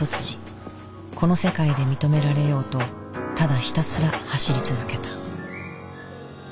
この世界で認められようとただひたすら走り続けた。